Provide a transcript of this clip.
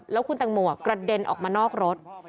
แล้วคุณตังโมกระเด็นออกมานอกรถ